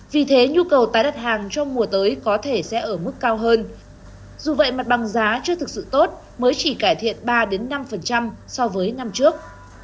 vì thế nhu cầu tái đặt hàng trong mùa tới có thể sẽ ở mức cao hơn dù vậy mặt bằng giá chưa thực sự tốt mới chỉ cải thiện ba năm so với năm trước